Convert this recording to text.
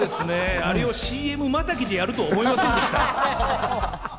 あれをＣＭまたぎでやるとは思いませんでした。